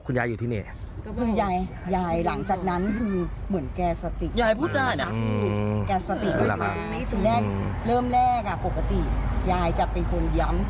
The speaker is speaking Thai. อคุณยายเหมือนที่เราขึ้นมา